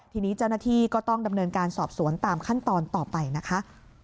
ทีนี้เจ้าหน้าที่ก็ต้องดำเนินการสอบสวนตามขั้นตอนต่อไปนะคะ